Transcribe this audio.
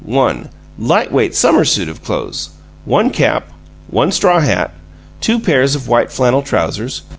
One "light weight summer suit of clothes." One cap. One straw hat. Two pairs of white flannel trousers.